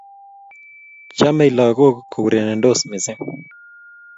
Chamei lagok kourerendos missing'